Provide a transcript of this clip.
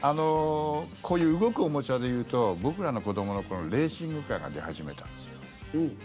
こういう動くおもちゃでいうと僕らの子どもの頃レーシングカーが出始めたんですよ。